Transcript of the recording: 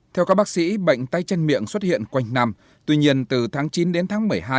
theo các bác sĩ bệnh tay chân miệng xuất hiện quanh năm tuy nhiên từ tháng chín đến tháng một mươi hai